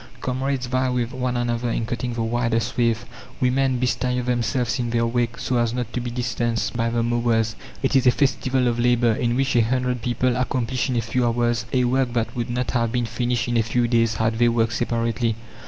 Comrades vie with one another in cutting the widest swathe, women bestir themselves in their wake so as not to be distanced by the mowers. It is a festival of labour, in which a hundred people accomplish in a few hours a work that would not have been finished in a few days had they worked separately.